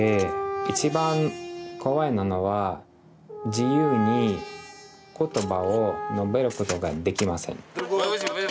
一番怖いなのは自由に言葉を述べることができません。